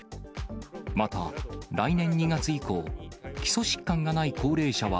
また、来年２月以降、基礎疾患がない高齢者は、